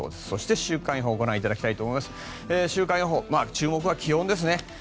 そして週間予報注目は気温ですね。